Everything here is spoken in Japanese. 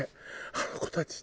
あの子たち